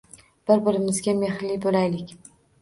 Bir-birimizga mexrli bo‘laylik.